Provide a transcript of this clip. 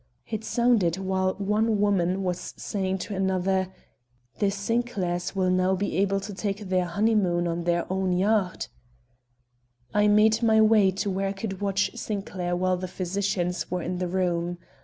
It sounded while one woman was saying to another: "The Sinclairs will now be able to take their honeymoon on their own yacht." I made my way to where I could watch Sinclair while the physicians were in the room.